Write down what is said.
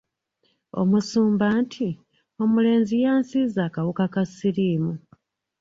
Omusumba nti, “omulenzi yansiize akawuka ka siriimu”.